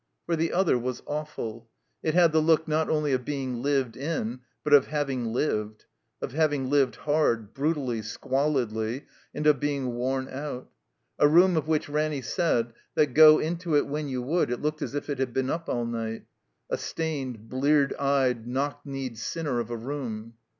For the other was awful. It had the look, not only of being Uved in, but of having lived; of having lived hard, brutally, squalidly, and of being worn out. A room of which Ranny said that, go into it when you would, it looked as if it had been up all night. A stained, bleared eyed, knocked kneed sinner of a room.